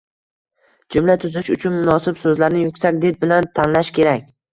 Jumla tuzish uchun munosib so‘zlarni yuksak did bilan tanlash kerak.